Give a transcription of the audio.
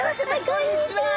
こんにちは！